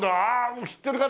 もう知ってる方？